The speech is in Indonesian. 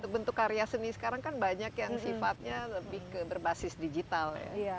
bentuk karya seni sekarang kan banyak yang sifatnya lebih ke berbasis digital ya